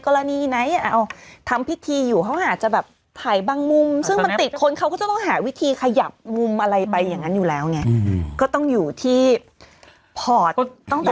ก็ต้องอยู่ที่พอร์ตตั้งแต่แรกที่เราดูผลงานแล้วก็ทุกอย่าง